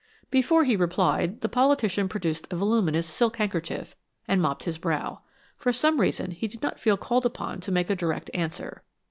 Before he replied, the politician produced a voluminous silk handkerchief, and mopped his brow. For some reason he did not feel called upon to make a direct answer.